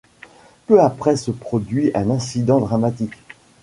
Peu après se produit un incident dramatique.